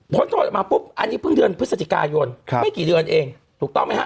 โทษออกมาปุ๊บอันนี้เพิ่งเดือนพฤศจิกายนไม่กี่เดือนเองถูกต้องไหมฮะ